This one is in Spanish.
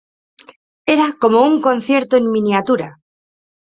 era como un concierto en miniatura